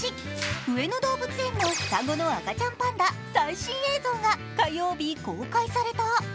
上野動物園の双子の赤ちゃんパンダ最新映像が火曜日、公開された。